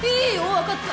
わかった。